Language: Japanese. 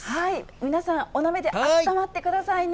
皆さん、お鍋であったまってくださいね。